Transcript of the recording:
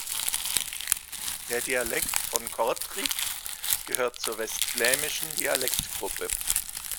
Der Dialekt von Kortrijk gehört zur Westflämischen Dialektgruppe.